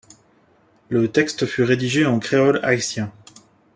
Le texte fut rédigé en créole haïtien.